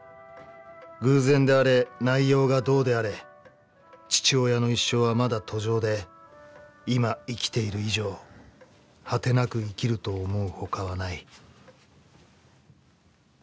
偶然であれ、内容がどうであれ、父親の一生はまだ途上で、今生きている以上、果てなく生きると思うほかはない」。